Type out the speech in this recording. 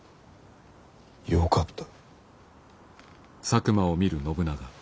よかった？